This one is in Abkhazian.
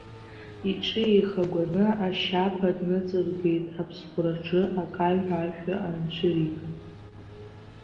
Иҿы еихагәаны, ашьаԥа дныҵыргеит аԥсхәраҿы, акаҩҳәа ашәа анцәырига.